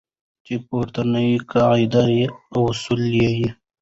چې پورتنۍ قاعدې او اصول یې